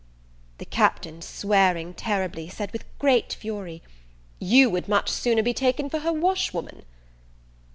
The Captain, swearing terribly, said, with great fury, "You would much sooner be taken for her wash woman."